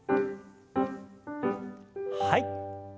はい。